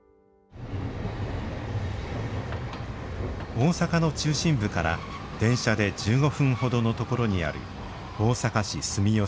大阪の中心部から電車で１５分ほどのところにある大阪市住吉区。